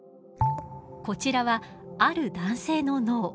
こちらはある男性の脳。